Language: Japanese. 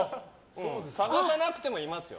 探さなくてもいますよ。